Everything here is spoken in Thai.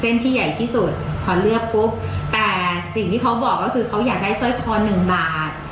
ที่ใหญ่ที่สุดพอเลือกปุ๊บแต่สิ่งที่เขาบอกก็คือเขาอยากได้สร้อยคอหนึ่งบาท